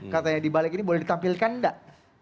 katanya dibalik ini boleh ditampilkan nggak